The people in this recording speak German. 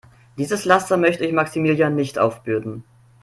Dieses Laster möchte ich Maximilian nicht aufbürden.